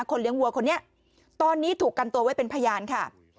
เลี้ยงวัวคนนี้ตอนนี้ถูกกันตัวไว้เป็นพยานค่ะ